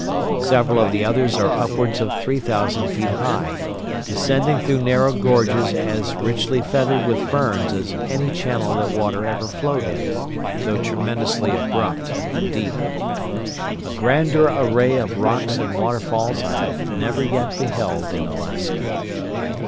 Several of the others are upwards of three thousand feet high, descending through narrow gorges as richly feathered with ferns as any channel that water ever flowed in, though tremendously abrupt and deep. A grander array of rocks and waterfalls I have never yet beheld in Alaska.